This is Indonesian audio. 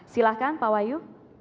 silahkan pak wayu